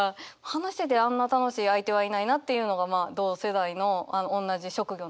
話しててあんな楽しい相手はいないなっていうのがまあ同世代のおんなじ職業の人ですね。